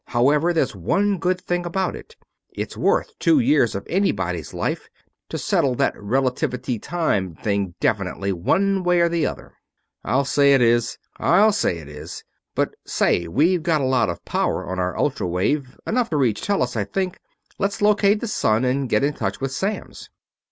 However, there's one good thing about it it's worth two years of anybody's life to settle that relativity time thing definitely, one way or the other." "I'll say it is. But say, we've got a lot of power on our ultra wave; enough to reach Tellus, I think. Let's locate the sun and get in touch with Samms."